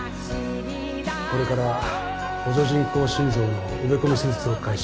これから補助人工心臓の植え込み手術を開始します。